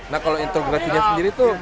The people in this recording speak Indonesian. nah kalau integrasinya sendiri tuh